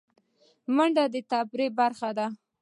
منډه د تفریح برخه ده